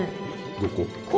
どこ？